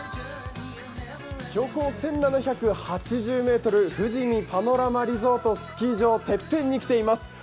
標高１７８０ｍ、富士見パノラマリゾートスキー場、てっぺんに来ています。